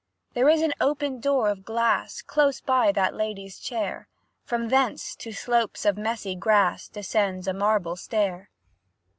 There is an open door of glass Close by that lady's chair, From thence, to slopes of messy grass, Descends a marble stair.